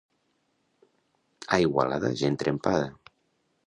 A Igualada, gent trempada.